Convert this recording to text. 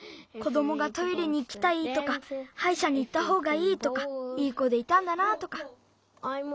子どもがトイレにいきたいとかはいしゃにいったほうがいいとかいい子でいたんだなとか。